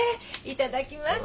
いただきます。